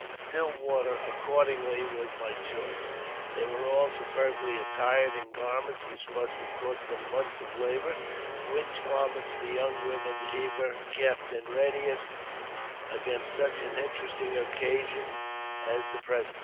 " Still water," accordingly, was my choict They were all superbly attired in garments which must ha \ cost them months of labour, which garments the young womt ever keep in readiness against such an interesting occasion the present.